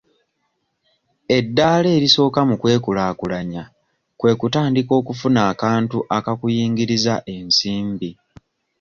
Eddaala erisooka mu kwekulaakulanya kwe kutandika okufuna akantu akakuyingiriza ensimbi.